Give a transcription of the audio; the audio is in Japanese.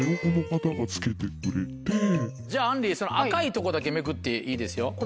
じゃああんりその赤いとこだけめくっていいですよ。